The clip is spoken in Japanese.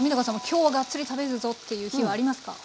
今日はがっつり食べるぞっていう日はありますか？